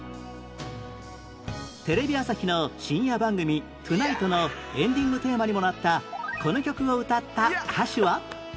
テレビ朝日の深夜番組『トゥナイト』のエンディングテーマにもなったこの曲を歌った歌手は？